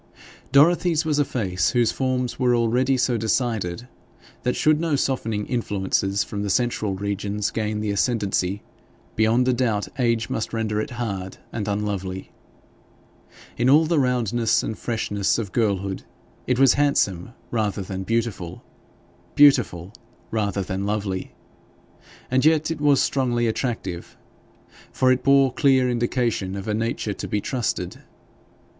Dorothy's was a face whose forms were already so decided that, should no softening influences from the central regions gain the ascendancy, beyond a doubt age must render it hard and unlovely. In all the roundness and freshness of girlhood, it was handsome rather than beautiful, beautiful rather than lovely. And yet it was strongly attractive, for it bore clear indication of a nature to be trusted.